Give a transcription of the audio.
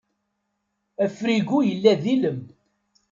Afrigu yella d ilem.